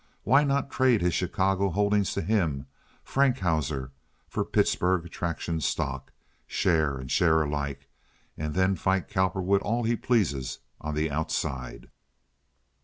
Why not trade his Chicago holdings to him, Frankhauser, for Pittsburg traction stock—share and share alike—and then fight Cowperwood all he pleases on the outside?